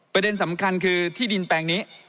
ประเด็นสำคัญคือที่ดินแปลงนี้